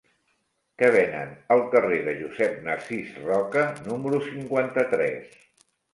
Què venen al carrer de Josep Narcís Roca número cinquanta-tres?